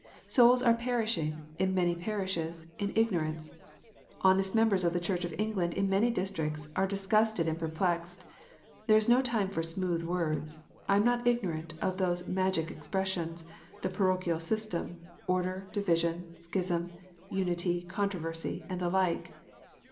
Souls are perishing, in many parishes, in ignorance. Honest members of the Church of England, in many districts, are disgusted and perplexed. This is no time for smooth words. I am not ignorant of those magic expressions, " the parochial system, order, division, schism, unity, controversy," and the like.